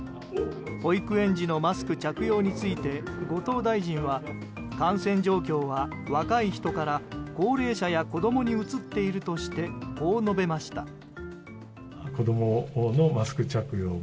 保育園児のマスク着用について後藤大臣は感染状況は若い人から高齢者や子供に移っているとしてこう述べました。